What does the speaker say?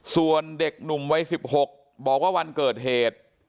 ส่วนเด็กหนุ่มวัย๑๖บอกว่าวันเกิดเหตุ